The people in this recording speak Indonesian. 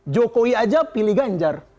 jokowi aja pilih ganjar